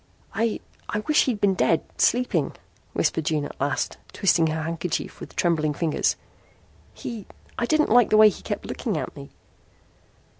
"I I wish he'd been dead sleeping," whispered June at last, twisting her handkerchief with trembling fingers. "He I didn't like the way he kept looking at me."